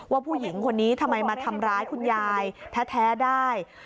ผู้หญิงคนนี้ทำไมมาทำร้ายคุณยายแท้ได้